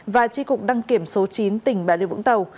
và tri cục đăng kiểm số chín tỉnh bà rịa vũng tàu